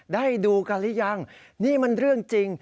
ได้ดูกันหรือยังนี่มันเรื่องจริง